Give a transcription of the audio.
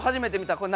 これ何？